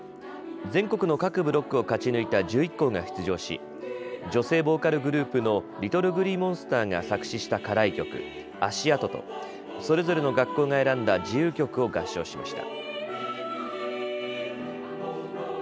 全国の各ブロックを勝ち抜いた１１校が出場し女性ボーカルグループのＬｉｔｔｌｅＧｌｅｅＭｏｎｓｔｅｒが作詞した課題曲、足跡とそれぞれの学校が選んだ自由曲を合唱しました。